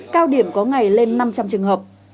cao điểm có ngày lên năm trăm linh trường hợp